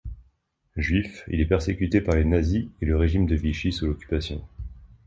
Juif, il est persécuté par les nazis et le régime de Vichy sous l'Occupation.